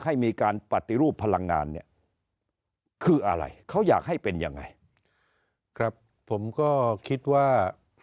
ให้มีการปฏิรูปพลังงานเนี่ยคืออะไรเขาอยากให้เป็นยังไงครับผมก็คิดว่า